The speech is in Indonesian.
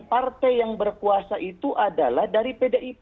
partai yang berkuasa itu adalah dari pdip